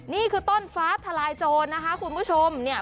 นี่คือต้นฟ้าทลายโจรนะคะคุณผู้ชมเนี่ย